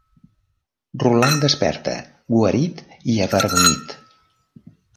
Rotlan desperta, guarit i avergonyit.